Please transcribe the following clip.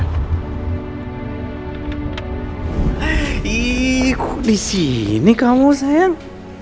eh kok di sini kamu sayang